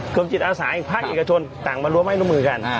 จิตอาสาอีกภาคเอกชนต่างมาร่วมไม้ร่วมมือกัน